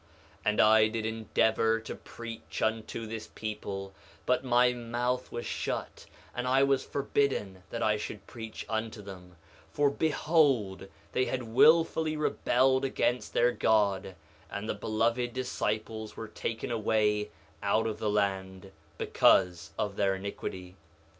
1:16 And I did endeavor to preach unto this people, but my mouth was shut, and I was forbidden that I should preach unto them; for behold they had wilfully rebelled against their God; and the beloved disciples were taken away out of the land, because of their iniquity.